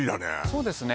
そうですね